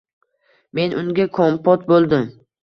Men unga kompot bo'ldim.